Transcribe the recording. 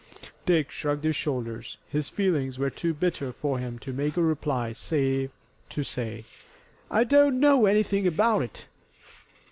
Dick shrugged his shoulders. His feelings were too bitter for him to make a reply save to say: "I don't know anything about it."